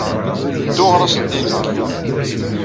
Ddu, ɣer-asen-d i yinebgiwen!